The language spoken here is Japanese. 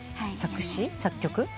作詞作曲